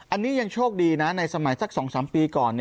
อันนี้ยังโชคดีนะในสมัยสัก๒๓ปีก่อน